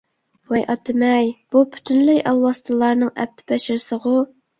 ۋاي ئاتىمەي! بۇ پۈتۈنلەي ئالۋاستىلارنىڭ ئەپت - بەشىرىسىغۇ!